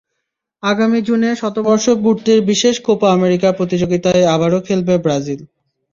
আগামী জুনে শতবর্ষ পূর্তির বিশেষ কোপা আমেরিকা প্রতিযোগিতায় আবারও খেলবে ব্রাজিল।